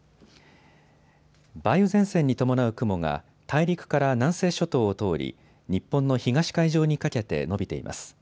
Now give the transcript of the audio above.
梅雨前線に伴う雲が大陸から南西諸島を通り日本の東海上にかけて延びています。